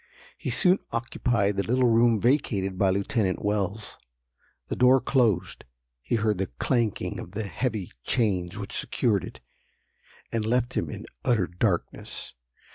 He soon occupied the little room vacated by Lieutenant Wells. The door closed; he heard the clanking of the heavy chains which secured it, and left him in utter darkness.